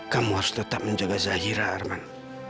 kamu harus tetap menjaga zahira arman